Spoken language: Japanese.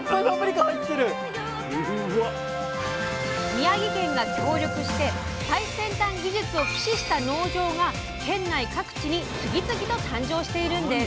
宮城県が協力して最先端技術を駆使した農場が県内各地に次々と誕生しているんです！